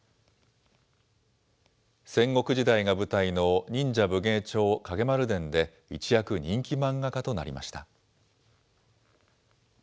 戦国時代が舞台の忍者武芸帳ー影丸伝ーで一躍人気漫画家となりました。